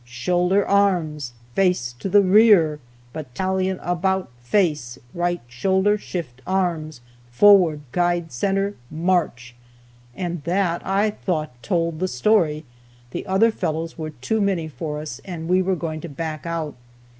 Shoulder arms! Face to the rear! Battalion, about face! Right shoulder shift arms! Forward, guide center, march!" And that, I thought, told the story. The other fellows were too many for us, and we were going to back out.